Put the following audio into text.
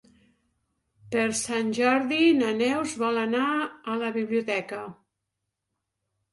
Per Sant Jordi na Neus vol anar a la biblioteca.